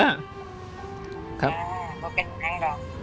อ่าเป็นหลังเหล่าแปลง